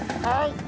はい！